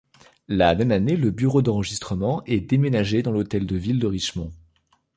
La même année, le bureau d'enregistrement est déménagé dans l'hôtel de ville de Richmond.